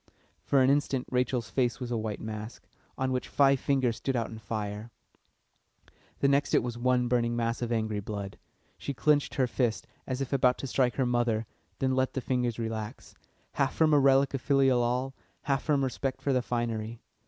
For an instant Rachel's face was a white mask, on which five fingers stood out in fire; the next it was one burning mass of angry blood. She clenched her fist, as if about to strike her mother, then let the fingers relax; half from a relic of filial awe, half from respect for the finery.